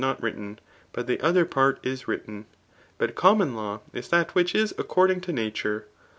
not written, but th^ other part is written. But common law is that which is according to nature.